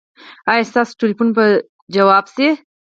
ایا ستاسو ټیلیفون به ځواب شي؟